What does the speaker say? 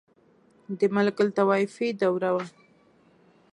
• د ملوکالطوایفي دوره وه.